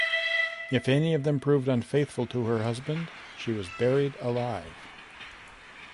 If any of them proved unfaithful to her husband, she was buried alive.